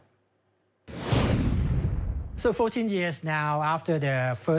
บวกกัมกายในภายโลกนี้